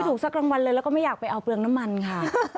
ถูกสักรางวัลเลยแล้วก็ไม่อยากไปเอาเปลืองน้ำมันค่ะ